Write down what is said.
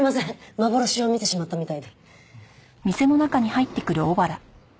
幻を見てしまったみたいで。